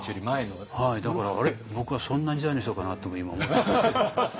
はいだから僕はそんな時代の人かなとも今思ったりして。